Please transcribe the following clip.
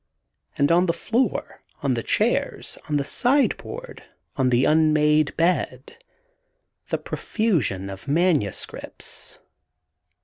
And on the floor, on the chairs, on the sideboard, on the unmade bed, the profusion of manuscripts.